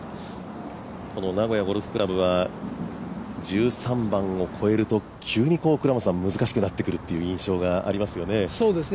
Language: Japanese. この名古屋ゴルフ倶楽部は、１３番を超えると、急に難しくなってくるという印象がありますよね。